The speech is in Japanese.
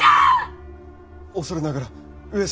恐れながら上様。